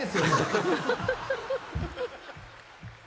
「ハハハハ！」